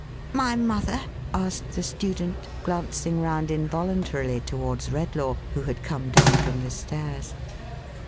"My mother?" asked the student, glancing round in voluntarily towards Redlaw, who had come down from the stairs.